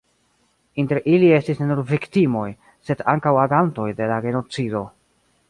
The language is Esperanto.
Inter ili estis ne nur viktimoj, sed ankaŭ agantoj de la genocido.